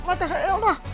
matas saya ya allah